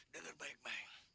dengar baik mai